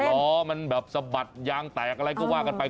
ล้อมันแบบสะบัดยางแตกอะไรก็ว่ากันไป